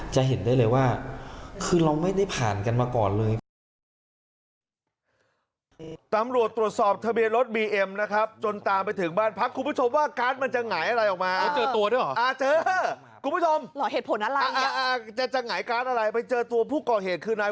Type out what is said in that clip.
จะเห็นได้เลยว่าคือเราไม่ได้ผ่านกันมาก่อนเลย